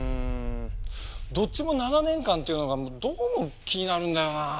どっちも７年間っていうのがどうも気になるんだよな。